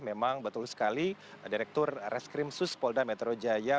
memang betul sekali direktur reskrim sus polda metro jaya